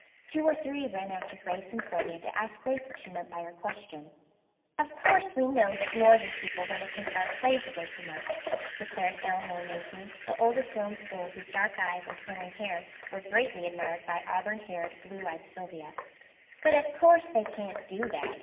Two or three ran after Grace and Sylvia to ask Grace what she meant by her question. "Of course we know that northern people want to take our slaves away from us," declared Elinor Mayhew, the oldest girl in school, whose dark eyes and curling hair were greatly admired by auburn haired, blue eyed Sylvia, "but of course they can't do that.